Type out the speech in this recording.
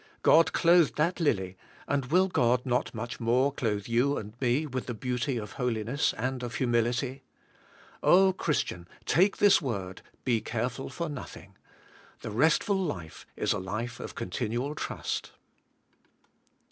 God clothed that lily and will God not much more clothe you and me with the beauty of holiness and of humility. Oh Christian, take this word, *' Be careful for nothing." The restful life is a life of continual trust.